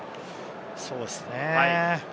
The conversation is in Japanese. そうですね。